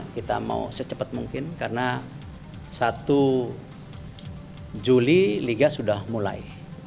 kita mau secepat mungkin karena satu juli liga sudah mulai